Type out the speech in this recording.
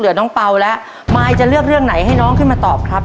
น้องเปล่าแล้วมายจะเลือกเรื่องไหนให้น้องขึ้นมาตอบครับ